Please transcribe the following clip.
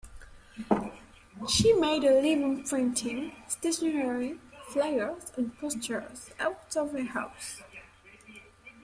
She made a living printing stationery, fliers, and posters out of her house.